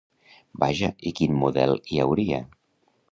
Vaja, i quin model hi hauria?